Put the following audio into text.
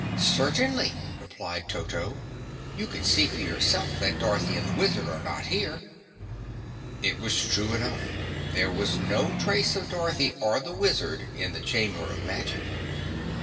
"Certainly," replied Toto. "You can see for yourself that Dorothy and the Wizard are not here." It was true enough. There was no trace of Dorothy or the Wizard in the Chamber of Magic.